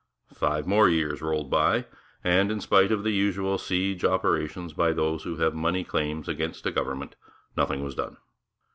Five more years rolled away, and, in spite of the usual siege operations of those who have money claims against a government, nothing was done.